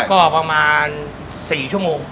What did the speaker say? ก็ประมาณ๔ชั่วโมง